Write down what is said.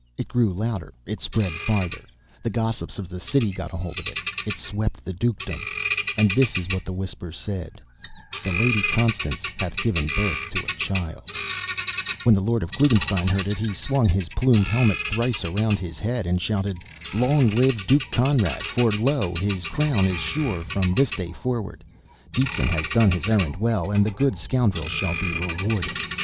It grew louder; it spread farther. The gossips of the city got hold of it. It swept the dukedom. And this is what the whisper said: "The Lady Constance hath given birth to a child!" When the lord of Klugenstein heard it, he swung his plumed helmet thrice around his head and shouted: "Long live. Duke Conrad! for lo, his crown is sure, from this day forward! Detzin has done his errand well, and the good scoundrel shall be rewarded!"